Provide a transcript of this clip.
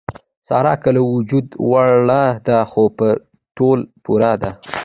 ساره که له وجوده وړه ده، خو په تول پوره ده.